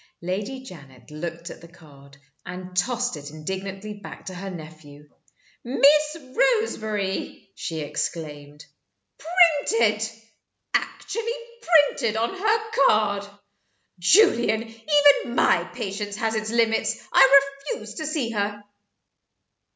Lady Janet looked at the card, and tossed it indignantly back to her nephew. "Miss Roseberry!" she exclaimed. "Printed actually printed on her card! Julian, even MY patience has its limits. I refuse to see her!"